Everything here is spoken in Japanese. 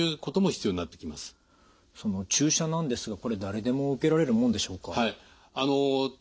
注射なんですがこれ誰でも受けられるもんでしょうか？